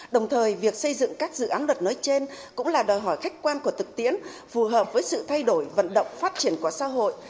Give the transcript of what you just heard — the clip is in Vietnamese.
đồng thời việc xây dựng các dự án luật nói trên cũng là đòi hỏi khách quan của thực tiễn phù hợp với sự thay đổi vận động phát triển của xã hội